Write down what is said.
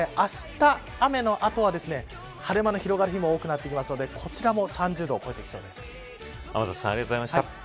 東北や北海道もあした雨の後は、晴れ間の広がる日も多くなってくるのでこちらも３０度を超えてきそうです。